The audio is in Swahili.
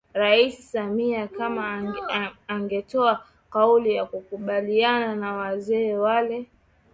Raisi Samia Kama angetoa kauli ya kukubaliana na wazee wale